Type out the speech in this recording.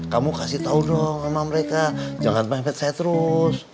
kamu kasih tau dong sama mereka jangan pempet saya terus